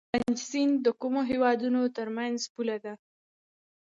پنج سیند د کومو هیوادونو ترمنځ پوله ده؟